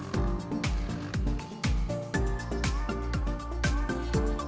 kalau di dalam pakliran suara dalang ditransfer ke rupa topeng rupa topeng dimasukkan menjadi suara dalang